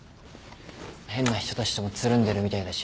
変な人たちともつるんでるみたいだし。